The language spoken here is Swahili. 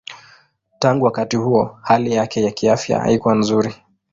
Tangu wakati huo hali yake ya kiafya haikuwa nzuri.